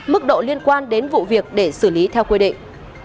mức độ liên quan đến vụ việc để xử lý theo quy định